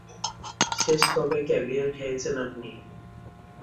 শেষ কবে ক্যাভিয়ার খেয়েছেন আপনি?